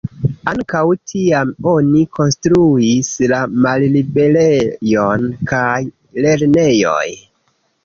Ankaŭ tiam oni konstruis la Malliberejon kaj Lernejoj.